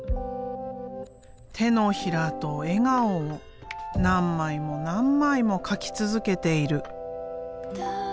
手のひらと笑顔を何枚も何枚も描き続けている。